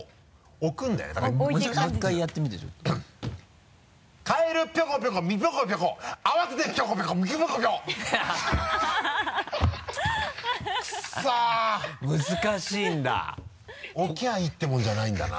置けばいいってもんじゃないんだな。